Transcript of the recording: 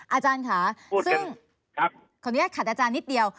อาจารย์ค่ะซึ่งขออนุญาตขัดอาจารย์นิดเดียว